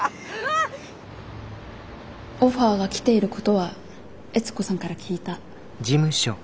オファーが来ていることは悦子さんから聞いた。